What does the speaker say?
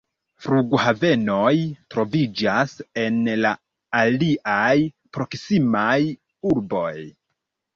Flughavenoj troviĝas en la aliaj proksimaj urboj.